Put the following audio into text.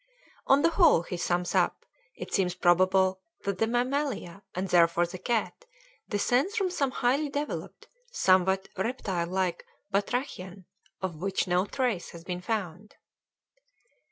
"On the whole," he sums up, "it seems probable that the mammalia, and therefore the cat, descends from some highly developed, somewhat reptile like batrachian of which no trace has been found."